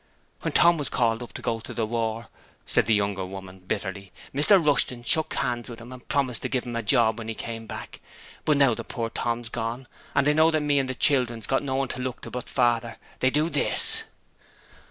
'When Tom was called up to go to the war,' said the young woman, bitterly, 'Mr Rushton shook hands with him and promised to give him a job when he came back. But now that poor Tom's gone and they know that me and the children's got no one to look to but Father, they do THIS.'